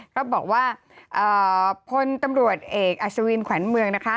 ก็บอกว่าตำรวจเอกอาซาวินขวานเมือง